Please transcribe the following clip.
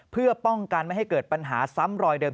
เพื่อป้องกันไม่ให้เกิดปัญหาซ้ำรอยเดิม